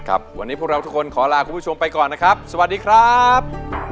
ครับวันนี้พวกเราทุกคนขอลาคุณผู้ชมไปก่อนนะครับสวัสดีครับ